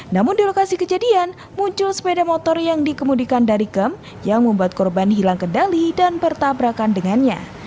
namun di lokasi kejadian muncul sepeda motor yang dikemudikan dari gam yang membuat korban hilang kendali dan bertabrakan dengannya